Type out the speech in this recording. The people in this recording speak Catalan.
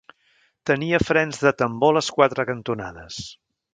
Tenia frens de tambor a les quatre cantonades.